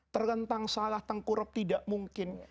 terlentang salah tengkurap tidak mungkin